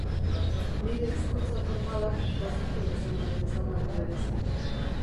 Nire hezkuntza formalak bazituen zenbait ezaugarri berezi.